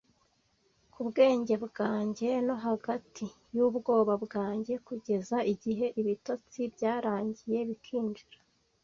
ku bwenge bwanjye no hagati yubwoba bwanjye, kugeza igihe ibitotsi byarangiye bikinjira